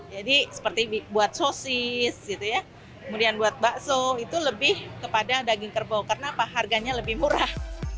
jadi seperti buat sosis gitu ya kemudian buat bakso itu lebih kepada daging kerbau karena harganya lebih murah